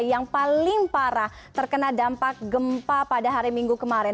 yang paling parah terkena dampak gempa pada hari minggu kemarin